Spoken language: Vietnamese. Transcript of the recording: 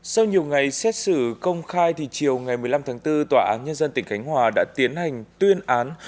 sau nhiều ngày xét xử công khai thì chiều ngày một mươi năm tháng bốn tòa án nhân dân tỉnh khánh hòa đã tiến hành tuyên án